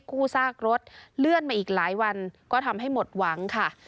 กู้ซากรถเลื่อนมาอีกหลายวันก็ทำให้หมดหวังค่ะ